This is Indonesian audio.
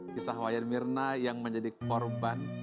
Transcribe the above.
kisah wayan mirna yang menjadi korban